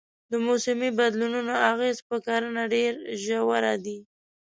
د موسمي بدلونونو اغېز پر کرنه ډېر ژور دی.